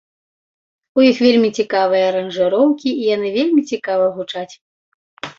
У іх вельмі цікавыя аранжыроўкі і яны вельмі цікава гучаць.